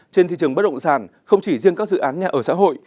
trên thị trường bất động sản không chỉ riêng các dự án nhà ở xã hội